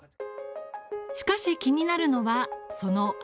しかし気になるのは、その味。